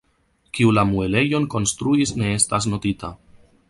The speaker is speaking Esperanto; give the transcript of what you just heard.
Kiu la muelejon konstruis ne estas notita.